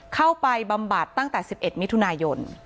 เข้าไปบำบัดตั้งแต่๑๑มิถุนายน